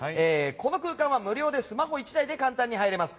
この空間は無料でスマホ１台で簡単に入れます。